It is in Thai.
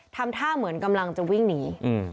ทำท่าเหมือนกำลังจะวิ่งหนี